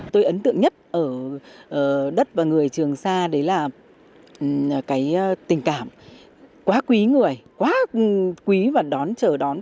tôi ấn tượng nhất ở đất và người trường xa đấy là cái tình cảm quá quý người quá quý và đón chờ đón